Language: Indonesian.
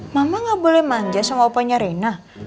mama gak boleh manja sama oponya rena